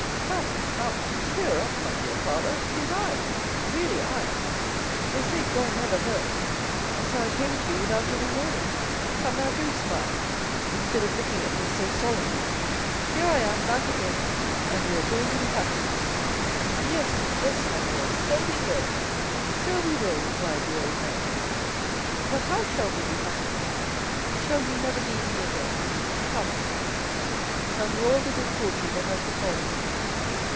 "Come, come, cheer up, my dear father! 'Tis I—really I! They say joy never hurts, and so I came to you without any warning. Come now, do smile, instead of looking at me so solemnly. Here I am back again, and we are going to be happy." "Yes, yes, my boy, so we will—so we will," replied the old man; "but how shall we be happy? Shall you never leave me again? Come, tell me all the good fortune that has befallen you."